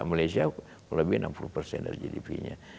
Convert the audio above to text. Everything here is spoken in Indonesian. malaysia kurang lebih enam puluh persen dari gdp nya